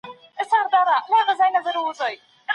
علمي مجله بې ارزوني نه تایید کیږي.